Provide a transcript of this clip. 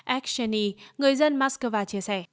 eksheni người dân moskova chia sẻ